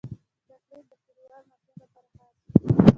چاکلېټ د کلیوال ماشوم لپاره خاص وي.